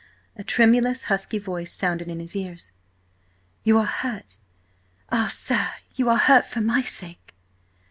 A tremulous, husky voice sounded in his ears: "You are hurt! Ah, sir, you are hurt for my sake!"